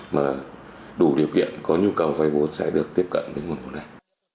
mà đủ điều kiện có nhu cầu vay vô sẽ được tiếp cận với nguồn vụ này